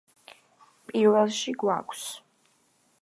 პირველში გვაქვს.